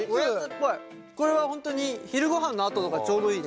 これは本当に昼ごはんのあととかちょうどいいね。